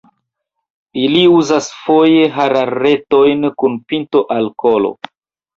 Ili uzas foje hararretojn kun pinto al kolo.